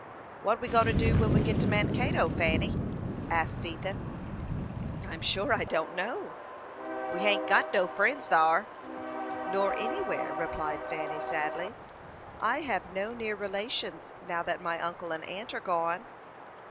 "What we go'n to do when we get to Mankato, Fanny?" asked Ethan. "I'm sure I don't know." "We hain't got no friends thar." "Nor anywhere," replied Fanny, sadly. "I have no near relations now that my uncle and aunt are gone."